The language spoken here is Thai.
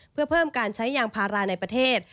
เพื่อเพิ่มการใช้ยางพาราในประเทศ